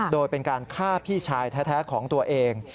โดยเป็นการฆ่าพี่ชายแท้ของตัวเอง